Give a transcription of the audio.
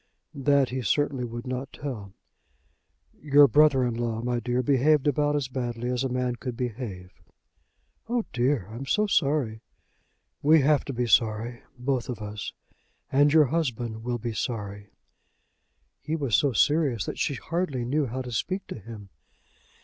That he certainly would not tell. "Your brother in law, my dear, behaved about as badly as a man could behave." "Oh, dear! I am so sorry!" "We have to be sorry, both of us. And your husband will be sorry." He was so serious that she hardly knew how to speak to him.